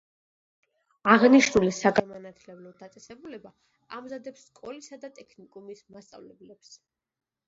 აღნიშნული საგანმანათლებლო დაწესებულება ამზადებს სკოლისა და ტექნიკუმის მასწავლებლებს.